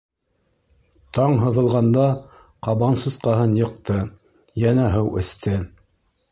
— Таң һыҙылғанда ҡабан сусҡаһын йыҡты, йәнә һыу эсте.